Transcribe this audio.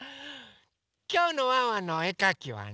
きょうのワンワンのおえかきはね